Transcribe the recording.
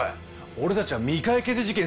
俺たちは未解決事件